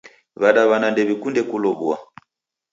W'adaw'ana ndew'ikunde kulow'ua.